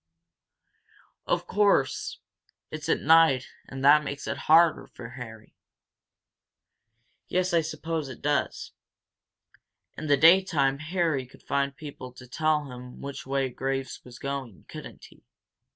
"Of course it's at night and that makes it harder for Harry." "Yes, I suppose it does. In the daytime Harry could find people to tell him which way Graves was going, couldn't he?"